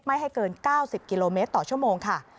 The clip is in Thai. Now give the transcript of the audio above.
ไม่ให้เกิน๙๐กิโลเมตรต่อชั่วโมงค่ะ